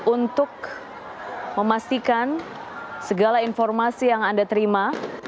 untuk memastikan segala informasi yang anda terima